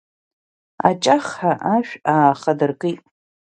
Аҷахҳәа ашә аахадыркит.